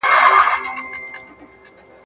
که زده کړه دوام وکړي دا تعليم بلل کېږي.